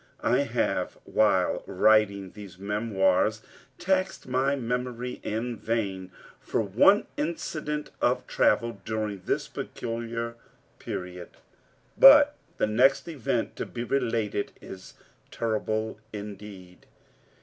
I have, while writing these memoirs, taxed my memory in vain for one incident of travel during this particular period. But the next event to be related is terrible indeed.